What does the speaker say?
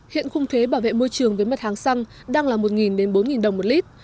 hiện khung thuế bảo vệ môi trường với mặt hàng xăng đang là một đến bốn đồng một lít